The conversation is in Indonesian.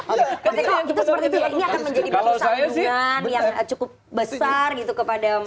maksudnya kalau gitu ini akan menjadi satu sandungan yang cukup besar kepada mas anies